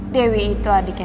dewi itu adiknya